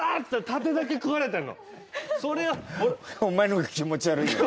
太田：お前の方が気持ち悪いよ。